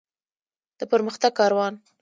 د پرمختګ کاروان.